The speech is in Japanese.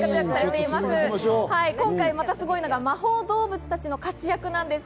今回、またすごいのが魔法動物たちの活躍なんです。